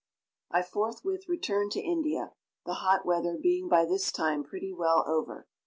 I forthwith returned to India, the hot weather being by this time pretty well over.